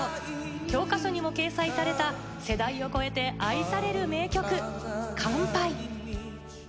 教科書にも掲載された世代を超えて愛される名曲『乾杯』。